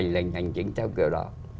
lệnh hành chính trong kiểu đó